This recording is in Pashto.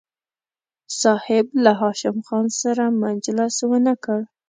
صاحب له هاشم خان سره مجلس ونه کړ.